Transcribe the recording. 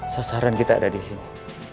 sesaran kita ada disini